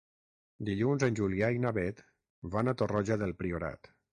Dilluns en Julià i na Beth van a Torroja del Priorat.